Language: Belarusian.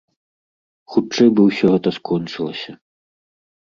Хутчэй бы ўсё гэта скончылася.